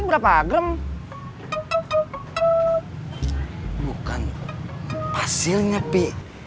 bukan pasirnya pi